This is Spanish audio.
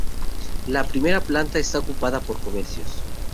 La primera planta está ocupada por comercios.